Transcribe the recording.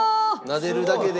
なでるだけで。